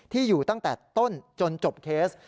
อยู่ตั้งแต่ต้นจนจบเคส